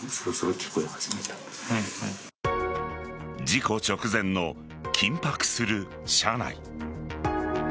事故直前の緊迫する車内。